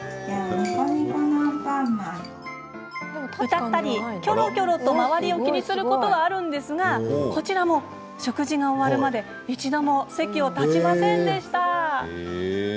歌ったり、キョロキョロと周りを気にすることもありますがこちらも、食事が終わるまで一度も席を立ちませんでした。